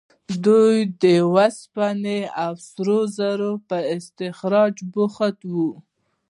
دوی د اوسپنې او سرو زرو په استخراج بوخت وو.